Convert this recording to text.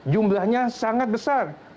jumlahnya sangat besar